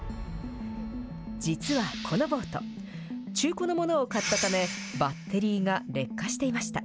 実はこのボート、中古のものを買ったため、バッテリーが劣化していました。